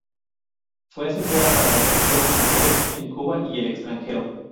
Fue asesora para la apertura de museos en Cuba y el extranjero.